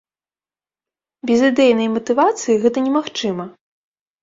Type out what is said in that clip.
Без ідэйнай матывацыі гэта немагчыма.